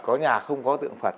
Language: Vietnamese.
có nhà thì không có tượng phật